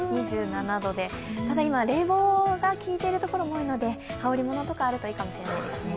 ２７度で、ただ今、冷房が効いているところも多いので羽織り物とかあるといいかもしれないですね。